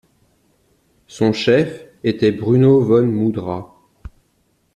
Son chef était Bruno von Mudra.